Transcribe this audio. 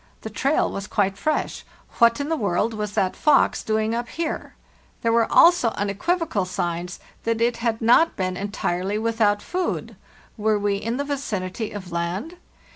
The trail was quite fresh. What in the world was that fox doing up here? There were also unequivocal signs that it had not been entirely without food. Were we in the vicinity of land?